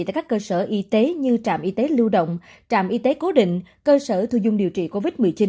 tại các cơ sở y tế như trạm y tế lưu động trạm y tế cố định cơ sở thu dung điều trị covid một mươi chín